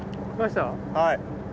はい。